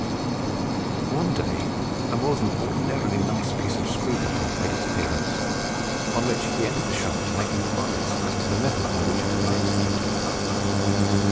One day a more than ordinarily nice piece of screw cutting made its appearance, on which he entered the shop to make inquiries as to the method by which it had been executed.